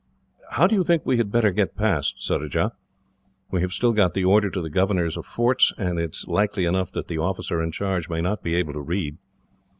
"How do you think we had better get past, Surajah? We have still got the order to the governors of forts, and it is likely enough that the officer in charge may not be able to read.